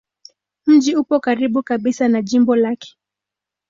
Mji upo karibu kabisa na jimbo lake.